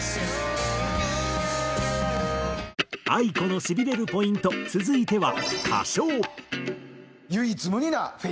ａｉｋｏのしびれるポイント続いては。